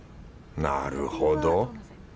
なるほど。